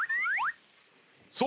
そう！